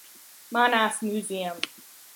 Manaus Museum